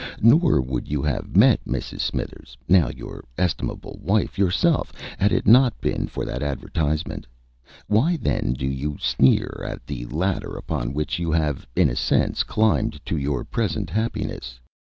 Nor would you have met Mrs. Smithers, now your estimable wife, yourself, had it not been for that advertisement. Why, then, do you sneer at the ladder upon which you have in a sense climbed to your present happiness?